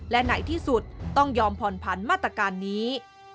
และไหนที่สุดต้องยอมผ่อนผันมาตรการนี้